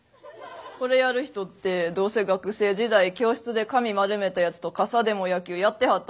これやる人ってどうせ学生時代教室で紙丸めたやつと傘でも野球やってはったんやろな。